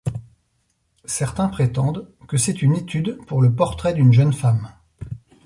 Certains prétendent que c'est une étude pour le portrait d'une jeune femme.